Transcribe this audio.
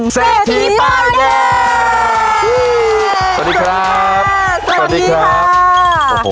สวัสดีครับ